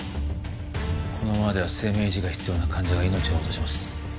このままでは生命維持が必要な患者が命を落とします